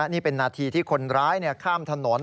นี่เป็นนาทีที่คนร้ายข้ามถนน